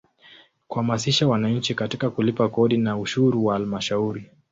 Kuhamasisha wananchi katika kulipa kodi na ushuru wa Halmashauri.